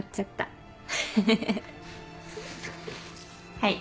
はい。